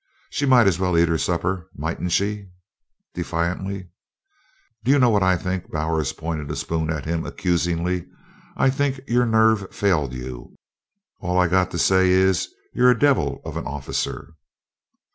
"She might as well eat her supper, mightn't she?" defiantly. "Do you know what I think?" Bowers pointed a spoon at him accusingly. "I think your nerve failed you. All I got to say is you're a devil of an officer."